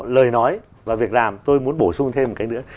lời nói và việc làm tôi muốn bổ sung thêm một cái nữa